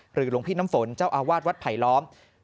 หลวงพี่น้ำฝนเจ้าอาวาสวัดไผลล้อม